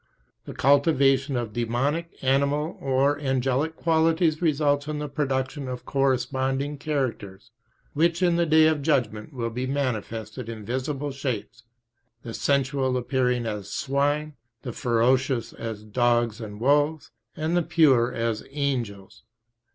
The cultivation of demonic, animal, or angelic qualities results in the production of corresponding characters, which in the Day of Judgment will be manifested in visible shapes, the sensual appearing as swine, the ferocious as dogs and wolves, and the pure as angels.